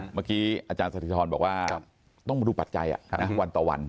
เมื่อกี้อาจารย์สถิธรบอกว่าต้องมาดูปัจจัยวันต่อวัน